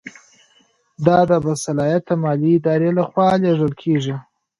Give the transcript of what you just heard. دا د باصلاحیته مالي ادارې له خوا لیږل کیږي.